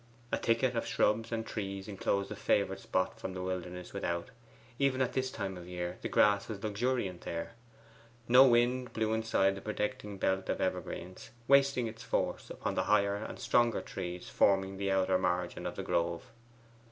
A thicket of shrubs and trees enclosed the favoured spot from the wilderness without; even at this time of the year the grass was luxuriant there. No wind blew inside the protecting belt of evergreens, wasting its force upon the higher and stronger trees forming the outer margin of the grove.